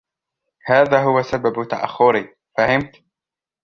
" هذا هو سبب تأخري "" فهمت "